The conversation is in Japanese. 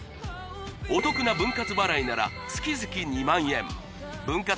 お得な分割払いなら月々２万円分割